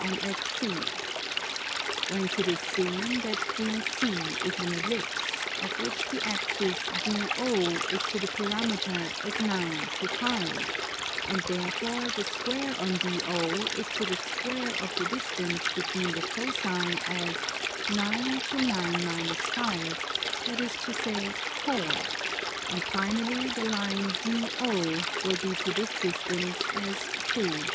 Whence it is seen that DC is an ellipse, of which the axis DO is to the parameter as 9 to 5; and therefore the square on DO is to the square of the distance between the foci as 9 to 9 5, that is to say 4; and finally the line DO will be to this distance as 3 to 2.